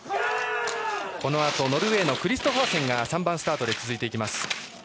このあと、ノルウェーのクリストファーセンが３番スタートで続きます。